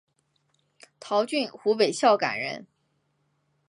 陶峻湖北孝感人。